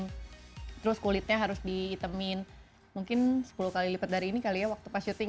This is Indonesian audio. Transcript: hai terus kulitnya harus di hitame means mungkin sepuluh kali lipat dari ini kali ya waktu pas syuting